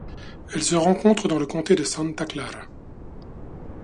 Elle se rencontre dans le comté de Santa Clara.